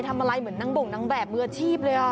ทำอะไรเหมือนนางบ่งนางแบบมืออาชีพเลย